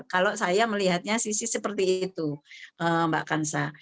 kalau saya melihatnya sisi seperti itu mbak kansa